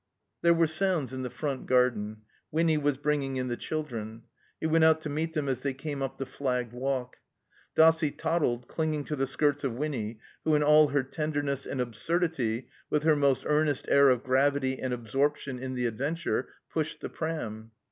There were sotmds in the front garden. Winny was bringing in the children. He went out to meet them as they came up the flagged walk. Dossie toddled, clinging to the skirts of Winny, who in all her tenderness and absurdity, with her most earnest air of gravity and absorption in the adventure, pushed the pram.